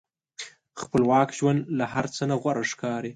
خپلواک ژوند له هر څه نه غوره ښکاري.